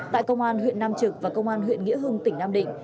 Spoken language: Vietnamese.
tại công an huyện nam trực và công an huyện nghĩa hưng tỉnh nam định